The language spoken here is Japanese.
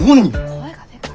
声がでかい。